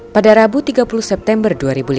pada rabu tiga puluh september dua ribu lima belas